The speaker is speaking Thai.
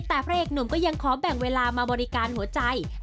แต่พระเอกหนุ่มก็ยังขอแบ่งเวลามาบริการหัวใจ